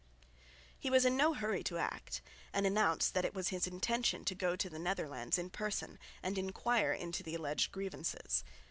He was in no hurry to act, and announced that it was his intention to go to the Netherlands in person and enquire into the alleged grievances.